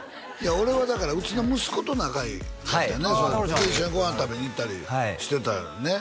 俺はだからうちの息子と仲いい一緒にご飯食べに行ったりしてたよね？